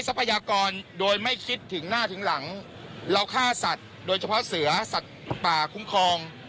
ทรัพยากรโดยไม่คิดถึงหน้าถึงหลังเราฆ่าสัตว์โดยเฉพาะเสือสัตว์ป่าคุ้มครอง